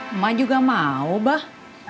mama juga mau mbah